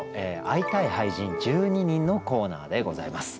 「会いたい俳人、１２人」のコーナーでございます。